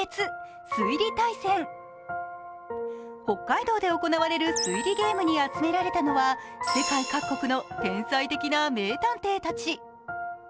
北海道で行われる推理ゲームに集められたのは世界各国の天才的な名探偵たち。